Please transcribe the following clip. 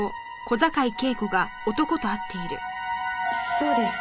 そうです。